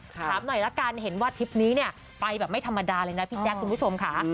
ถามหน่อยละกันเห็นว่าทริปนี้เนี่ยไปแบบไม่ธรรมดาเลยนะพี่แจ๊คคุณผู้ชมค่ะ